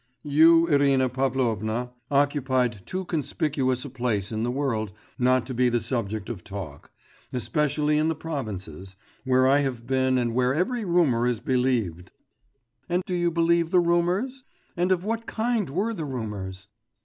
'You, Irina Pavlovna, occupied too conspicuous a place in the world, not to be the subject of talk ... especially in the provinces, where I have been and where every rumour is believed.' 'And do you believe the rumours? And of what kind were the rumours?